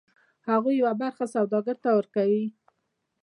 هغوی یوه برخه سوداګر ته ورکوي